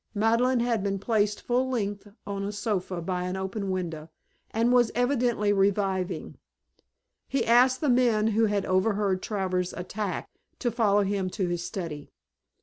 Madeleine had been placed full length on a sofa by an open window, and was evidently reviving. He asked the men who had overheard Travers' attack to follow him to his study.